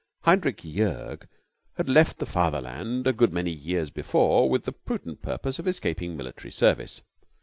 Heinrich Joerg had left the Fatherland a good many years before with the prudent purpose of escaping military service.